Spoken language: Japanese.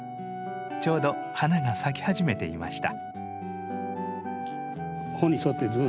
ちょうど花が咲き始めていました。